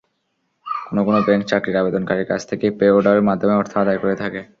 কোনো কোনো ব্যাংক চাকরির আবেদনকারীর কাছ থেকে পে-অর্ডারের মাধ্যমে অর্থ আদায় করে থাকে।